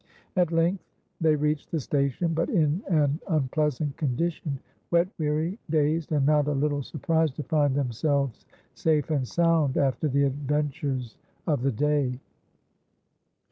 At length they reached the station, but in an unpleasant condition wet, weary, dazed, and not a little surprised to find themselves safe and sound after the adventures of the day.